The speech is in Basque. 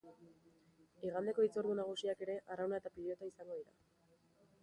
Igandeko hitzordu nagusiak ere arrauna eta pilota izango dira.